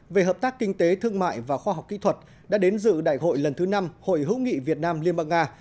về hợp tác kinh tế thương mại và khoa học kỹ thuật đã đến dự đại hội lần thứ năm hội hữu nghị việt nam liên bang nga